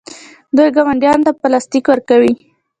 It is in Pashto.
دوی ګاونډیانو ته پلاستیک ورکوي.